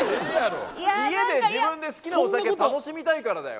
家で自分で好きなお酒楽しみたいからだよ？